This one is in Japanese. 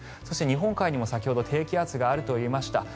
そして、日本海にも先ほど低気圧があると言いました。